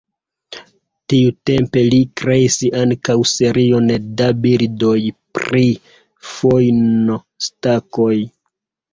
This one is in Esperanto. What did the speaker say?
Tiutempe li kreis ankaŭ serion da bildoj pri fojn-stakoj.